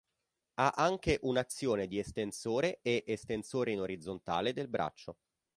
Ha anche un'azione di estensore e estensore in orizzontale del braccio.